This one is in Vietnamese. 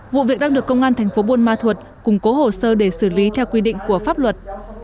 vụ việc đang được công an thành phố buôn ma thuột củng cố hồ sơ để xử lý theo quy định của pháp luật